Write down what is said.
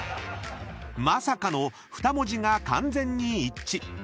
［まさかの２文字が完全に一致］